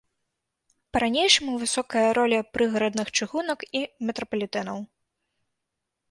Па-ранейшаму высокая роля прыгарадных чыгунак і метрапалітэнаў.